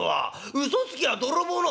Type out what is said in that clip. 『うそつきは泥棒の』」。